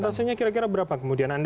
prosentasenya kira kira berapa kemudian